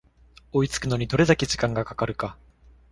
追いつくのにどれだけ時間がかかるか